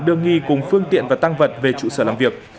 đưa nghi cùng phương tiện và tăng vật về trụ sở làm việc